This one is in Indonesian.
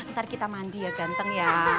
ntar kita mandi ya ganteng ya